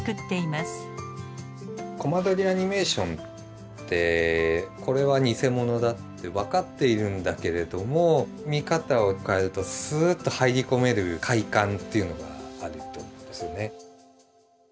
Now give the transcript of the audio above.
コマ撮りアニメーションってこれは偽物だって分かっているんだけれども見方を変えるとスーッと入り込める快感っていうのがあると思うんですよね。